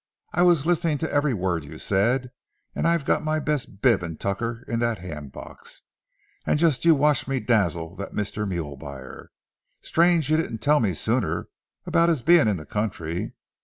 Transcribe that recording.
I was listening to every word you said, and I've got my best bib and tucker in that hand box. And just you watch me dazzle that Mr. Mule buyer. Strange you didn't tell me sooner about his being in the country.